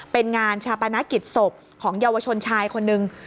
เป็นงานชาปนกิจศพของเยาวชนชายคนหนึ่ง